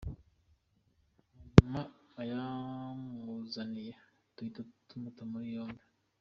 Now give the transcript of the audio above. Hanyuma ayamuzaniye duhita tumuta muri yombi”.